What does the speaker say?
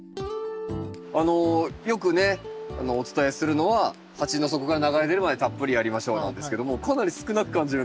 あのよくねお伝えするのは「鉢の底から流れ出るまでたっぷりやりましょう」なんですけどもかなり少なく感じるんですが。